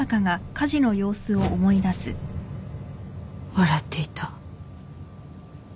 笑っていた。